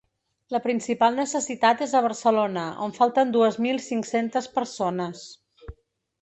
La principal necessitat és a Barcelona, on falten dues mil cinc-centes persones.